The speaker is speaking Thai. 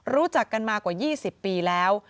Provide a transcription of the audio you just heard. รู้จักกันมากว่า๒๐ปีแล้ว